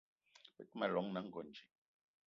Be te ma llong na Ngonj